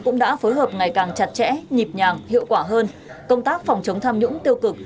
cũng đã phối hợp ngày càng chặt chẽ nhịp nhàng hiệu quả hơn công tác phòng chống tham nhũng tiêu cực